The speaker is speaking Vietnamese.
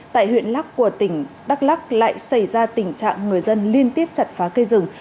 tại huyện lắc của tỉnh đắk lắc lại xảy ra tình trạng người dân liên tiếp chặt phá cây rừng